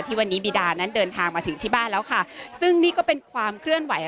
วันนี้บีดานั้นเดินทางมาถึงที่บ้านแล้วค่ะซึ่งนี่ก็เป็นความเคลื่อนไหว